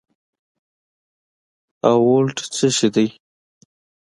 او ولټ څه شي دي